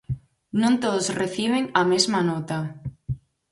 Non todos reciben a mesma nota.